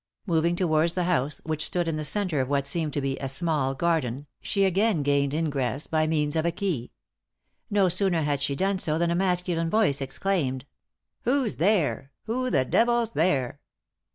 Moving towards the house, which stood in the centre of what seemed to be a small garden, she again gained ingress by means of a key. No sooner had she done so than a masculine voice exclaimed : 3i 9 iii^d by Google THE INTERRUPTED KISS " Who's there ? Who the devil's there